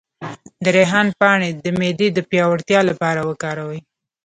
د ریحان پاڼې د معدې د پیاوړتیا لپاره وکاروئ